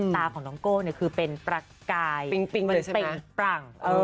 ตาของน้องโกวนี่คือเป็นปลักกายเป็นปรัง